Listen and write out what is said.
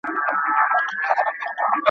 زېږوې که د دې خلکو په څېر بل خر ..